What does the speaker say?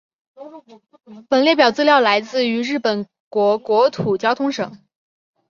本列表资料来自于日本国国土交通省。